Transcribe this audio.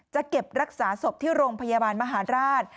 จะเก็บรักษาศพที่โรงพยาบาลมหาราช